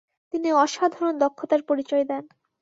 তিনি অসাধারণ দক্ষতার পরিচয় দেন।